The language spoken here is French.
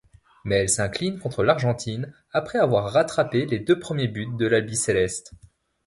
Mais elle s'incline contre l'Argentine après avoir rattrapé les deux premiers buts de l'Albiceleste.